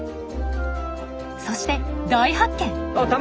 そして大発見！